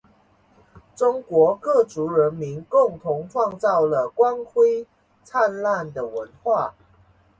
中国各族人民共同创造了光辉灿烂的文化